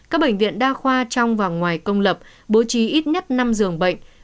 các bệnh viện đa khoa trong và ngoài công lập bố trí ít nhất năm giường bệnh